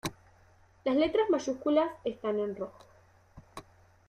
Las letras mayúsculas están en rojo.